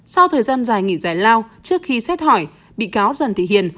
sau thời gian dài nghỉ giải lao trước khi xét hỏi bị cáo trần thị hiền